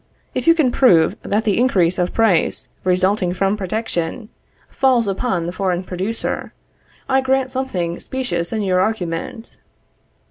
If you can prove that the increase of price resulting from protection, falls upon the foreign producer, I grant something specious in your argument.